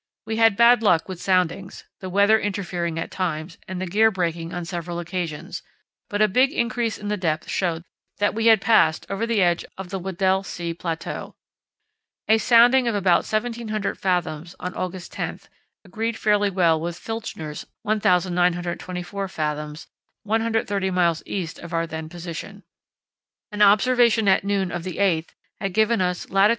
We had bad luck with soundings, the weather interfering at times and the gear breaking on several occasions, but a big increase in the depth showed that we had passed over the edge of the Weddell Sea plateau. A sounding of about 1700 fathoms on August 10 agreed fairly well with Filchner's 1924 fathoms, 130 miles east of our then position. An observation at noon of the 8th had given us lat.